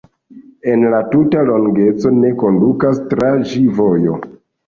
En la tuta longeco ne kondukas tra ĝi vojo.